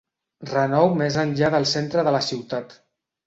Renou més enllà del centre de la ciutat.